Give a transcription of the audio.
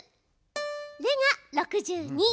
「レ」が６２。